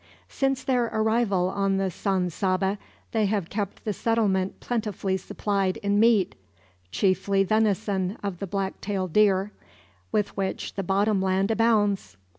Since their arrival on the San Saba, they have kept the settlement plentifully supplied in meat; chiefly venison of the black tailed deer, with which the bottom land abounds.